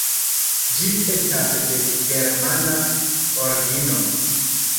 Ĝi estas de germana origino.